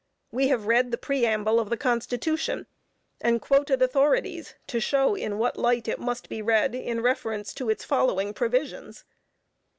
We have read the Preamble of the Constitution, and quoted authorities to show in what light it must be read in reference to its following provisions.